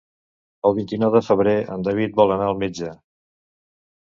El vint-i-nou de febrer en David vol anar al metge.